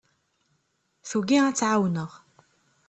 Tugi ad tt-ɛawneɣ.